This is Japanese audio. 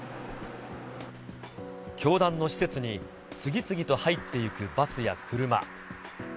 教団の施設に次々と入っていくバスや車。